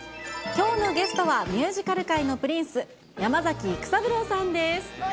きょうのゲストは、ミュージカル界のプリンス、山崎育三郎さんです。